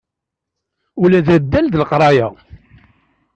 Ula d addal d leqraya.